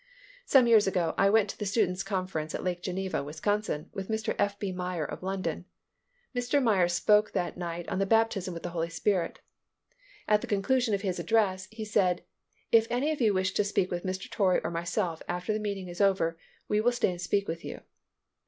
Some years ago I went to the students' conference at Lake Geneva, Wisconsin, with Mr. F. B. Meyer, of London. Mr. Meyer spoke that night on the Baptism with the Holy Spirit. At the conclusion of his address, he said, "If any of you wish to speak with Mr. Torrey or myself after the meeting is over, we will stay and speak with you."